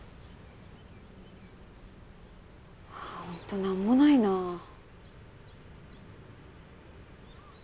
ホントなんもないなぁ。